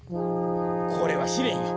これは試練よ。